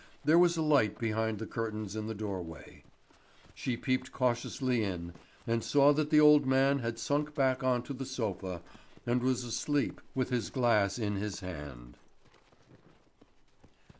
There was a light behind the curtains in the doorway. She peeped cautiously in, and saw that the old man had sunk back on to the sofa, and was asleep with his glass in his hand.